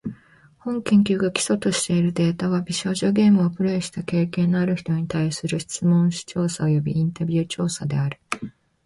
本研究が基礎としているデータは、美少女ゲームをプレイした経験のある人に対する質問紙調査およびインタビュー調査である。